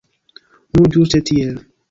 Nu, ĝuste tiel.